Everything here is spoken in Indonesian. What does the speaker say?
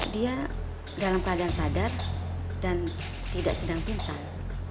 dia dalam keadaan sadar dan tidak sedang pingsan